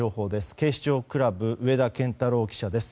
警視庁クラブ上田健太郎記者です。